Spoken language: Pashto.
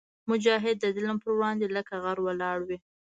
مجاهد د ظلم پر وړاندې لکه غر ولاړ وي.